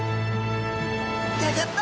ギョギョッと！